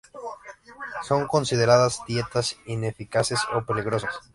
Son consideradas dietas ineficaces o peligrosas.